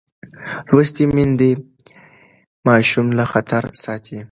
لوستې میندې ماشوم له خطره ساتي.